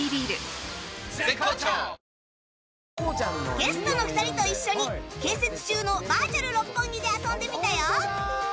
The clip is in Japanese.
ゲストの２人と一緒に建設中のバーチャル六本木で遊んでみたよ